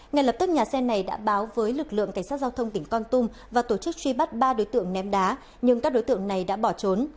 ngay lập tức nhà xe này đã báo với lực lượng cảnh sát giao thông tỉnh con tum và tổ chức truy bắt ba đối tượng ném đá nhưng các đối tượng này đã bỏ trốn